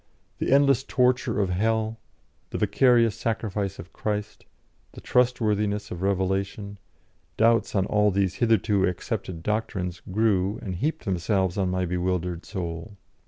The endless torture of hell, the vicarious sacrifice of Christ, the trustworthiness of revelation, doubts on all these hitherto accepted doctrines grew and heaped themselves on my bewildered soul.